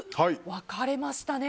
分かれましたね。